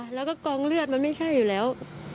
แล้วก็กองเลือดมันไม่ใช่อยู่แล้ว